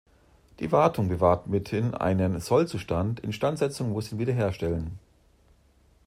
Die Wartung bewahrt mithin einen Sollzustand, Instandsetzung muss ihn wiederherstellen.